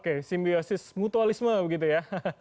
ambiosis mutualisme begitu ya